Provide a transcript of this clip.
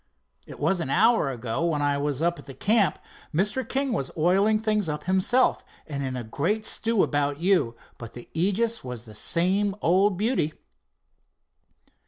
"It was an hour ago, when I was up at the camp. Mr. King was oiling things up himself, and in a great stew about you, but the Aegis was the same old beauty."